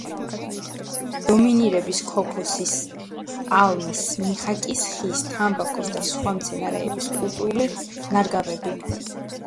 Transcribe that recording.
დომინირებს ქოქოსის პალმის, მიხაკის ხის, თამბაქოს და სხვა მცენარეების კულტურული ნარგავები.